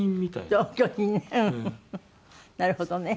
なるほどね。